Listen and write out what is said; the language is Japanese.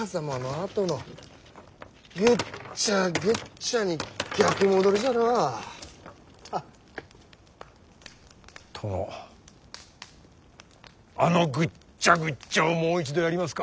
あのぐっちゃぐっちゃをもう一度やりますか？